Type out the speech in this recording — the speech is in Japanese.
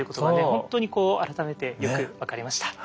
本当にこう改めてよく分かりました。